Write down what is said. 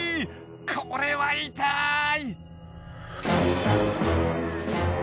これは痛い！